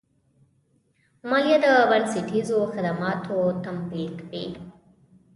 مالیه د بنسټیزو خدماتو تمویل کوي.